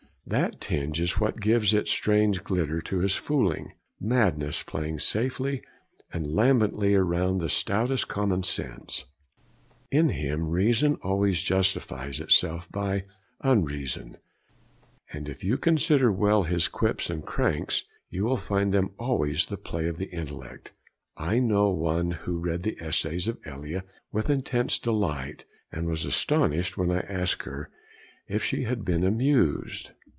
That tinge is what gives its strange glitter to his fooling; madness playing safely and lambently around the stoutest common sense. In him reason always justifies itself by unreason, and if you consider well his quips and cranks you will find them always the play of the intellect. I know one who read the essays of Elia with intense delight, and was astonished when I asked her if she had been amused.